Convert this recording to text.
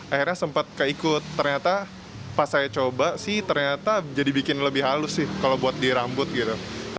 akhirnya sempat keikut ternyata pas saya coba sih ternyata jadi bikin lebih halus sih kalau buat di rambut gitu